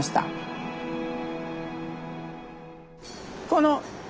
この。